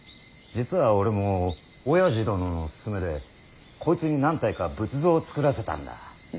実は俺もおやじ殿の勧めでこいつに何体か仏像を作らせたんだ。